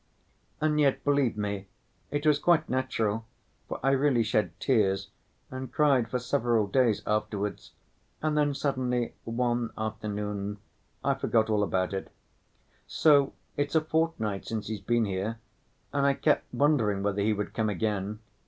And yet, believe me, it was quite natural, for I really shed tears and cried for several days afterwards, and then suddenly, one afternoon, I forgot all about it. So it's a fortnight since he's been here, and I kept wondering whether he would come again.